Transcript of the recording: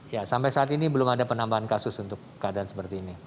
ya sampai saat ini belum ada penambahan kasus untuk keadaan seperti ini